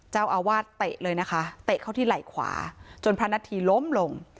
เจ้าอาวาสเตะเลยนะคะเตะเข้าที่ไหล่ขวาจนพระนัทธีล้มลง